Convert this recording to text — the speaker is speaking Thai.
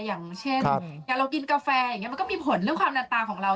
อย่างเช่นอย่างเรากินกาแฟมันก็มีผลเรื่องความดันตาของเรา